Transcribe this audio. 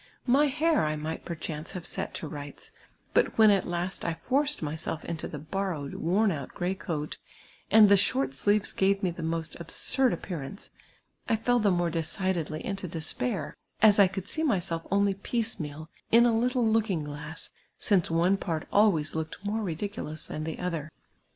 My hair I might perchance have set to rights ; but when at last I forced myself into the borrowed, worn out grey coat, and the short sleeves gave me the most absurd api)earance, I fell the more decidedly into despair, as I could see myself only ])iecemeal, in a little looking glass since one part always looked more ridiculous than the other.